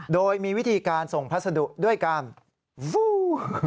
โดยมีวิธีการส่งพัสดุด้วยการบู